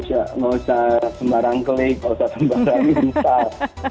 tidak usah sembarang klik tidak usah sembarang uninstall